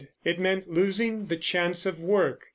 It meant losing the chance of work.